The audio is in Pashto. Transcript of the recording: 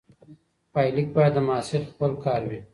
پایلیک باید د محصل خپل کار وي.